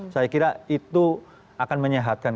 saya kira itu akan menyehatkan